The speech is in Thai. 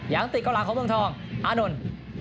ยังติดเก้าหลังของเมืองทองอานนท์